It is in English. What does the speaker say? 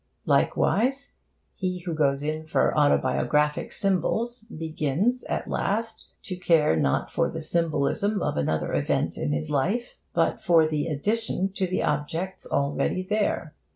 Likewise, he who goes in for autobiographic symbols begins, at last, to care not for the symbolism of another event in his life, but for the addition to the objects already there.